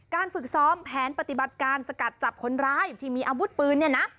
การฝึกซ้อมแผนปฏิบัติการสกัดจับคนร้ายที่มีอาวุธปืน